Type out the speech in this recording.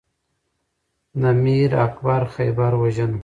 د میر اکبر خیبر وژنه